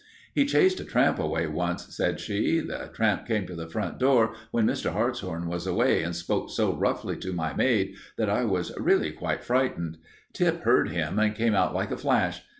"He chased a tramp away once," said she. "The tramp came to the front door when Mr. Hartshorn was away, and spoke so roughly to my maid that I was really quite frightened. Tip heard him and came out like a flash.